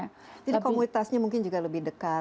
komunitasnya mungkin juga lebih dekat